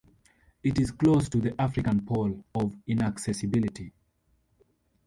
It is close to the African Pole of Inaccessibility.